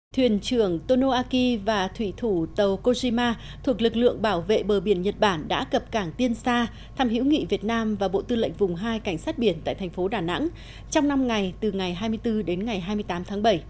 thuyền trưởng tonoaki và thủy thủ tàu kojima thuộc lực lượng bảo vệ bờ biển nhật bản đã cập cảng tiên xa thăm hữu nghị việt nam và bộ tư lệnh vùng hai cảnh sát biển tại thành phố đà nẵng trong năm ngày từ ngày hai mươi bốn đến ngày hai mươi tám tháng bảy